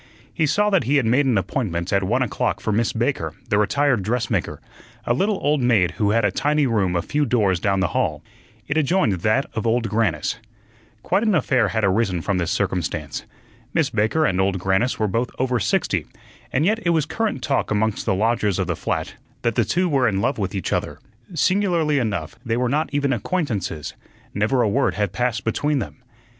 He saw that he had made an appointment at one o'clock for Miss Baker, the retired dressmaker, a little old maid who had a tiny room a few doors down the hall. It adjoined that of Old Grannis. Quite an affair had arisen from this circumstance. Miss Baker and Old Grannis were both over sixty, and yet it was current talk amongst the lodgers of the flat that the two were in love with each other. Singularly enough, they were not even acquaintances; never a word had passed between them.